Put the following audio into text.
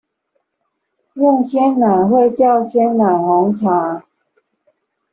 用鮮奶會叫鮮奶紅茶